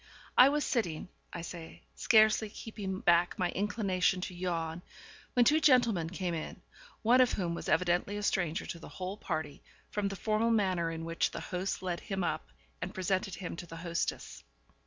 I was sitting, I say, scarcely keeping back my inclination to yawn, when two gentlemen came in, one of whom was evidently a stranger to the whole party, from the formal manner in which the host led him up, and presented him to the hostess.